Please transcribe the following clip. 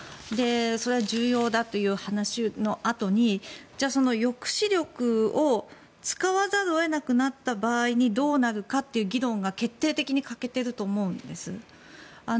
それは重要だという話のあとにじゃあ抑止力を使わざるを得なくなった場合にどうなるかっていう議論が決定的に欠けていると思うんです。